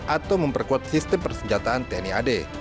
atau memperkuat sistem persenjataan tni ad